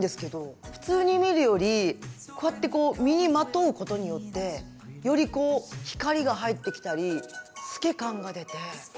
普通に見るよりこうやってこう身にまとうことによってよりこう光が入ってきたり透け感が出て。